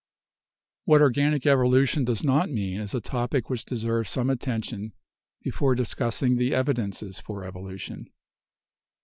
What organic evolution does not mean is a topic which deserves some attention before discussing the evidences for evolution.